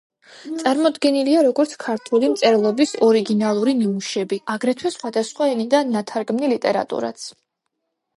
წარმოდგენილია როგორც ქართული მწერლობის ორიგინალური ნიმუშები, აგრეთვე სხვადასხვა ენიდან ნათარგმნი ლიტერატურაც.